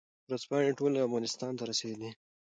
ورځپاڼې ټول افغانستان ته رسېدې.